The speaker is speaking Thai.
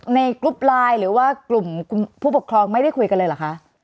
กรุ๊ปไลน์หรือว่ากลุ่มผู้ปกครองไม่ได้คุยกันเลยเหรอคะ